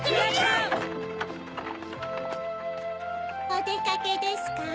おでかけですか？